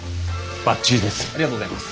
ばっちりです。